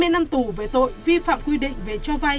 hai mươi năm tù về tội vi phạm quy định về cho vay